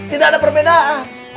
tidak ada perbedaan